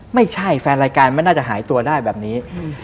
ไม่ใช่แฟนรายการไม่น่าจะหายตัวได้แบบนี้